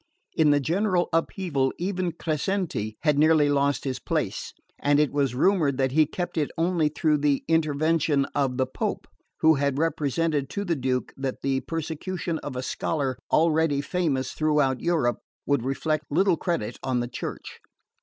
In the general upheaval even Crescenti had nearly lost his place; and it was rumoured that he kept it only through the intervention of the Pope, who had represented to the Duke that the persecution of a scholar already famous throughout Europe would reflect little credit on the Church.